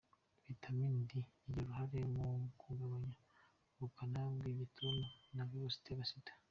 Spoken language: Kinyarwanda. Vitamini De igira uruhare mu kugabanya ubukana bw’Igituntu na Virusi itera Sida